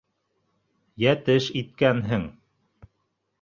Йәтеш иткәнһең!